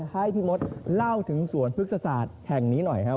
ให้พี่มดเล่าถึงสวนพฤกษศาสตร์แห่งนี้หน่อยครับ